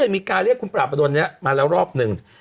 มีการเรียกพี่คุณปรากฏวานี้มาแล้วรอบนึง